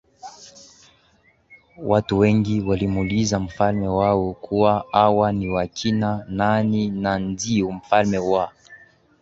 watu wengi walimuuliza mfalme wao kuwa hawa ni wakina nani na ndio mfalme wa